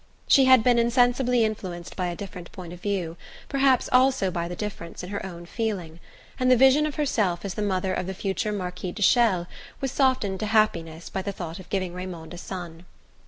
She had been insensibly influenced by a different point of view, perhaps also by a difference in her own feeling; and the vision of herself as the mother of the future Marquis de Chelles was softened to happiness by the thought of giving Raymond a son.